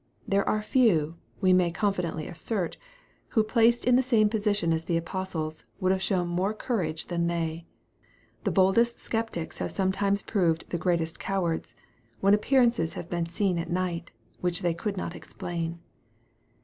There are few, we may confidently assert, who, placed in the same position as the apostles, would have shown more courage than they. The boldest sceptics have sometimes proved the greatest cowards, when a]> pearances have been seen at night, which they could not explain.